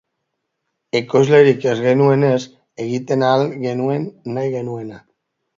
Ekoizlerik ez genuenez, egiten ahal genuen nahi genuena.